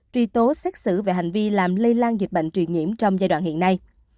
truy tố xét xử về hành vi làm lây lan dịch bệnh truyền nhiễm trong giai đoạn hiện nay